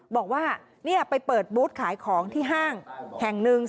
บอกว่าไปเปิดบูธขายของที่ห้างแห่งหนึ่ง